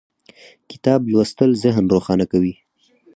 کتاب لوستل ذهن روښانه کوي